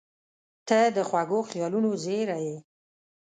• ته د خوږو خیالونو زېری یې.